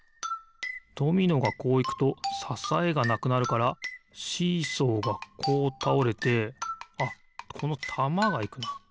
ドミノがこういくとささえがなくなるからシーソーがこうたおれてあっこのたまがいくな。